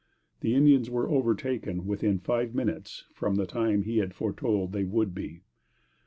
The Indians were overtaken within five minutes from the time he had foretold they would be.